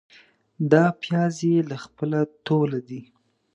دا پیاز يې له خپله توله دي.